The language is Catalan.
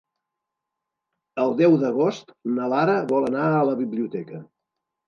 El deu d'agost na Lara vol anar a la biblioteca.